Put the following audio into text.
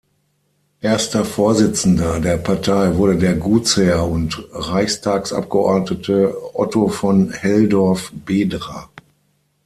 Erster Vorsitzender der Partei wurde der Gutsherr und Reichstagsabgeordnete Otto von Helldorff-Bedra.